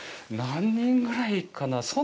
何人ぐらいかなぁ。